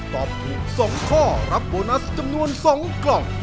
ตอบถูก๒ข้อรับโบนัสจำนวน๒กล่อง